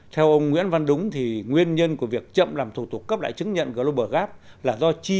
theo ông nguyễn văn đúng nguyên nhân của việc chậm làm thủ tục là